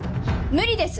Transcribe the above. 無理です！